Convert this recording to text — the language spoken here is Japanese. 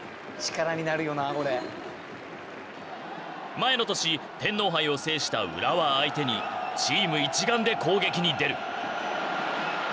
前の年天皇杯を制した浦和相手にチーム一丸で攻撃に出る。